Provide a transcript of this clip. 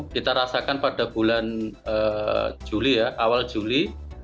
kita rasakan pada bulan juli ya awal juli